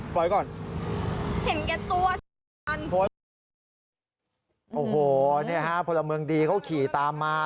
ปล่อยก่อนเห็นแก่ตัวโอ้โหเนี่ยฮะพลเมืองดีเขาขี่ตามมา